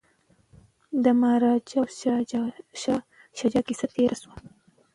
د مهاراجا او شاه شجاع کیسه تیره شوه.